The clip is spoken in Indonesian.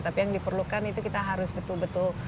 tapi yang diperlukan itu kita harus betul betul